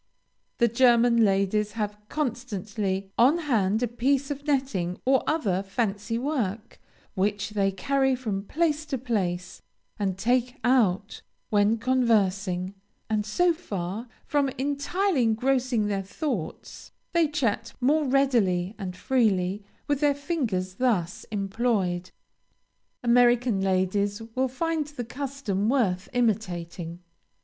The German ladies have constantly on hand a piece of netting or other fancy work, which they carry from place to place, and take out when conversing; and so far from entirely engrossing their thoughts, they chat more readily and freely with their fingers thus employed. American ladies will find the custom worth imitating.